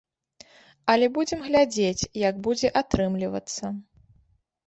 Але будзем глядзець, як будзе атрымлівацца.